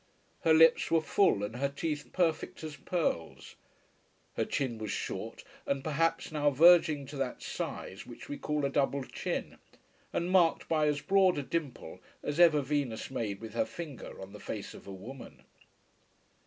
Her lips were full and her teeth perfect as pearls. Her chin was short and perhaps now verging to that size which we call a double chin, and marked by as broad a dimple as ever Venus made with her finger on the face of a woman.